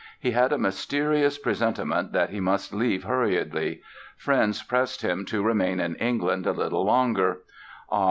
He had a mysterious presentiment that he must leave hurriedly. Friends pressed him to remain in England a little longer. "Ah!